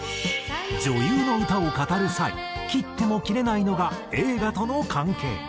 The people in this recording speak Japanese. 女優の歌を語る際切っても切れないのが映画との関係。